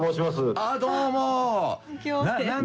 「ああどうも！」